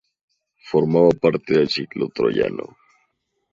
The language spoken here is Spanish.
Formaba parte del ciclo troyano.